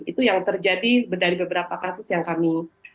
itu yang terjadi dari beberapa kasus yang kami